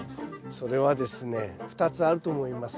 それはですね２つあると思います。